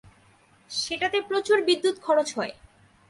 সেটাতে প্রচুর বিদ্যুৎ খরচ হয়।